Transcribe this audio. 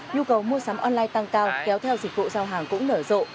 nhu cầu mua sắm online tăng cao kéo theo dịch vụ giao hàng cũng nở rộ